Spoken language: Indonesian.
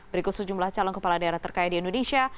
berikut sejumlah calon kepala daerah terkaya di indonesia